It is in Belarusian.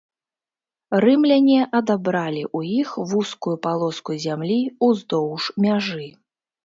Рымляне адабралі ў іх вузкую палоску зямлі ўздоўж мяжы.